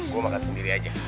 gue makan sendiri aja